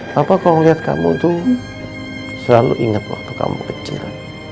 papa kalau ngeliat kamu tuh selalu inget waktu kamu kecil